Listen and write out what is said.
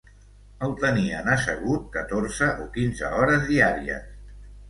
El tenien assegut catorze o quinze hores diàries